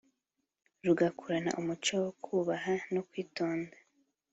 rugakurana umuco wo kubaha no kwitonda